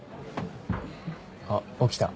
あっ起きた。